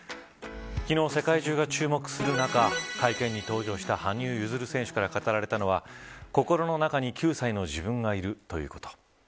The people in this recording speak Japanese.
昨日、世界中が注目する中会見に登場した羽生結弦選手から語られたのは心の中に９歳の自分がいるということ。